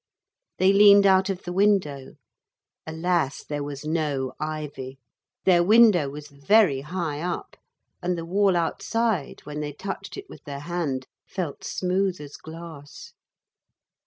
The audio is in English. They leaned out of the window. Alas, there was no ivy. Their window was very high up, and the wall outside, when they touched it with their hand, felt smooth as glass.